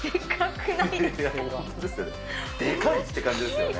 でかいって感じですよね。